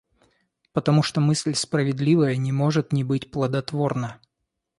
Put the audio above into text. Потому что мысль справедливая не может не быть плодотворна.